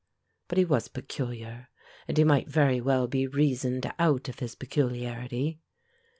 But he was peculiar, and he might very well be reasoned out of his peculiarity.